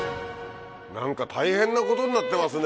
何か大変なことになってますね。